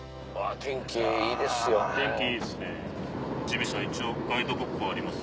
天気いいですね。